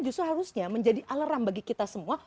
justru harusnya menjadi alarm bagi kita semua